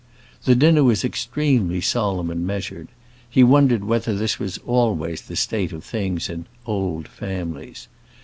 The dinner was extremely solemn and measured; he wondered whether this was always the state of things in "old families."